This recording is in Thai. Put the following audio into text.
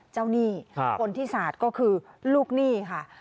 หนี้คนที่สาดก็คือลูกหนี้ค่ะ